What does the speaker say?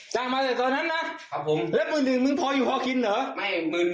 จากมาตั้งแต่เดือนไหนพูดให้แม่นนะ